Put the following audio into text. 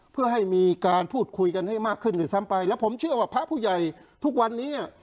เพื่อให้มีการพูดคุยกันให้มากขึ้นด้วยซ้ำไปแล้วผมเชื่อว่าพระผู้ใหญ่ทุกวันนี้